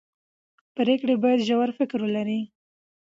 پرېکړې باید ژور فکر ولري